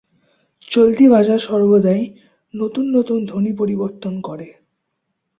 চলিত ভাষা সর্বদাই নতুন নতুন ধ্বনি-পরিবর্তন করে।